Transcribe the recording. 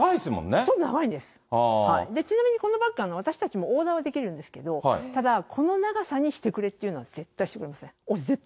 長いんです、ちなみにこのバッグ、私たちもオーダーができるんですけど、ただこの長さにしてくれっていうのは絶対にしてくれません。